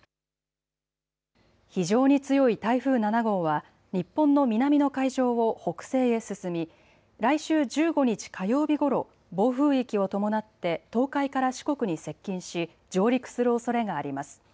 非常に強い台風７号は日本の南の海上を北西へ進み来週１５日火曜日ごろ暴風域を伴って東海から四国に接近し上陸するおそれがあります。